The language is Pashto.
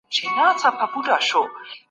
آستين راني د حکومت پر طبيعت ژوري څېړني کړي دي.